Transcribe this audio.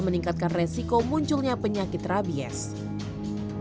meningkatkan resiko munculnya penyakit rabies dinas kesehatan menyebut rabies sendiri merupakan